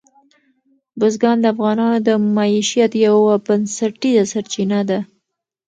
بزګان د افغانانو د معیشت یوه بنسټیزه سرچینه ده.